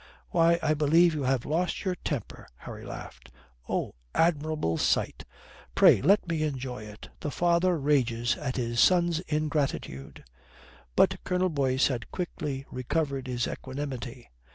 "Why, I believe you have lost your temper." Harry laughed. "Oh, admirable sight! Pray let me enjoy it! The father rages at his son's ingratitude!" But Colonel Boyce had quickly recovered his equanimity.